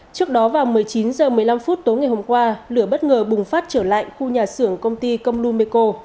trước đó vào một mươi chín h một mươi năm tối ngày hôm qua lửa bất ngờ bùng phát trở lại khu nhà xưởng công ty côngu meko